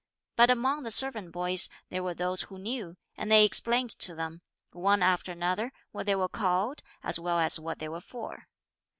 But among the servant boys, there were those who knew, and they explained to them, one after another, what they were called, as well as what they were for.